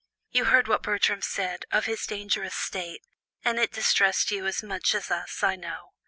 You heard what Mr. Bertram said, of his dangerous state, and it distressed you as much as us, I know.